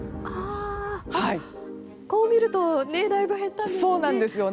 こう見るとだいぶ減ったんですね。